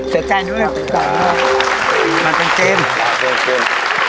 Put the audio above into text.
เสียใจด้วยมันเป็นเกมเกม